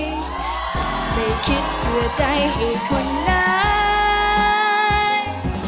ก็ไม่คิดเพื่อใจเหตุผลนาย